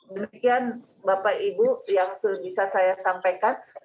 demikian bapak ibu yang bisa saya sampaikan